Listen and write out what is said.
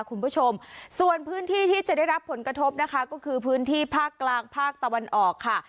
คุณผู้ชมส่วนพื้นที่ที่จะได้รับผลกระทบนะคะก็คือพื้นที่ภาคกลางภาคตะวันออกค่ะ